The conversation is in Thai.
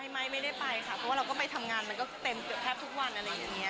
ไม่ได้ไปค่ะเพราะว่าเราก็ไปทำงานมันก็เต็มเกือบแทบทุกวันอะไรอย่างนี้